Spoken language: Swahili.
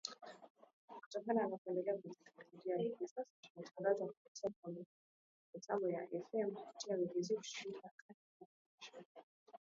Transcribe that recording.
Kutokana na kuendelea kwa teknolojia hivi sasa tunatangaza kupitia pia kwenye mitambo ya FM kupitia redio zetu shirika za kanda ya Afrika Mashariki na Kati